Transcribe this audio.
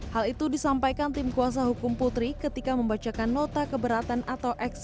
hal itu disampaikan tim kuasa hukum putri ketika membacakan nota keberatan atau eksekutif